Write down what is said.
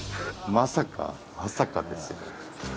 まさかまさかです。